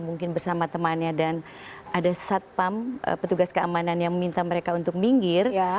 mungkin bersama temannya dan ada satpam petugas keamanan yang meminta mereka untuk minggir